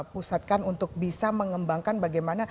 pusatkan untuk bisa mengembangkan bagaimana